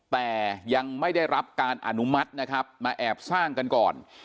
แต่ยังไม่ได้รับการอนุมัตินะครับมาแอบสร้างกันก่อน